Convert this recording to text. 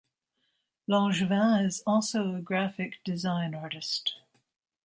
Langevin is also a graphic design artist.